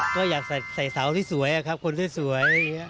ก็อยากสาดใส่สาวที่สวยครับคนที่สวย